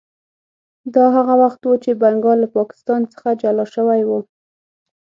دا هغه وخت و چې بنګال له پاکستان څخه جلا شوی و.